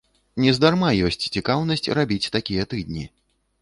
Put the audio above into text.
Нездарма ёсць цікаўнасць рабіць такія тыдні.